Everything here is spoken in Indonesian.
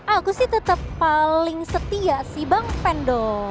aku sih tetap paling setia si bang pendo